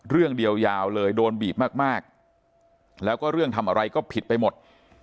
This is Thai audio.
เรื่องเดียวยาวเลยโดนบีบมากแล้วก็เรื่องทำอะไรก็ผิดไปหมด